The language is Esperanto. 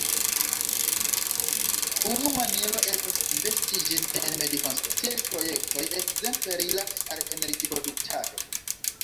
Unu maniero estas investi ĝin en medikonsciaj projektoj, ekzemple rilate al energiproduktado.